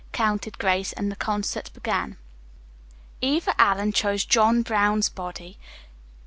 counted Grace, and the concert began. Eva Allen chose "John Brown's Body."